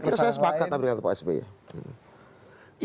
tapi keresahan sepakat yang diberikan pak sby